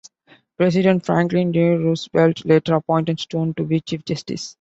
President Franklin D. Roosevelt later appointed Stone to be chief justice.